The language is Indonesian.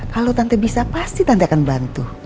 kalau tante bisa pasti tante akan bantu